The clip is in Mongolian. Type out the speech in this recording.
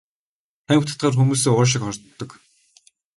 Тамхи татахлаар хүмүүсийн уушиг хордог.